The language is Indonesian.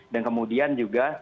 dan kemudian juga